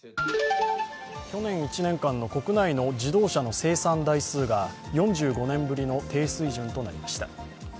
去年１年間の国内の自動車の生産台数が４５年ぶりの低水準となりました。